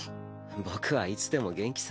僕はいつでも元気さ。